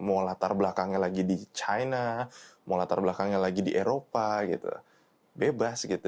mau latar belakangnya lagi di china mau latar belakangnya lagi di eropa gitu bebas gitu